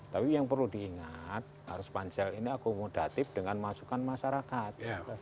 tapi yang perlu diingat harus pansel ini akomodatif dengan masukan masyarakat